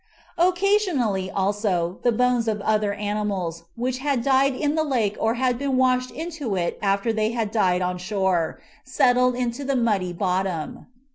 Occasionally, also, the bones of other animals, which had died in the lake or had been washed into it after they had died on shore, settled into the muddy bottom.